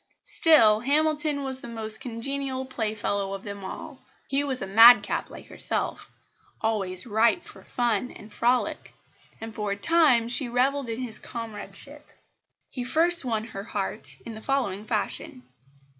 Still Hamilton was the most congenial playfellow of them all. He was a madcap like herself, always ripe for fun and frolic; and for a time she revelled in his comradeship. He first won her heart in the following fashion.